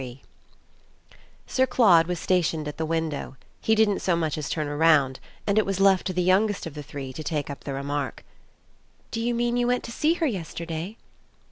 XXIII Sir Claude was stationed at the window; he didn't so much as turn round, and it was left to the youngest of the three to take up the remark. "Do you mean you went to see her yesterday?"